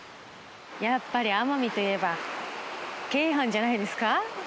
やっぱり奄美といえば鶏飯じゃないですか？